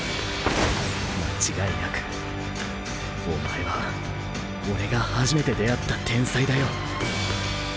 間違いなくお前は俺が初めて出会った天才だよ